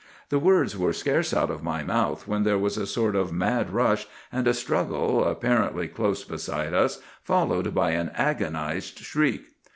"The words were scarce out of my mouth when there was a sort of mad rush, and a struggle, apparently close beside us, followed by an agonized shriek.